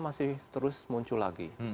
masih terus muncul lagi